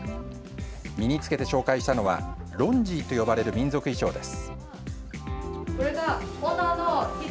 身に着けて紹介したのはロンジーと呼ばれる民族衣装です。